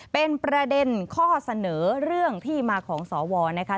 เป็นประเด็นข้อเสนอเรื่องที่มาของสวนะคะ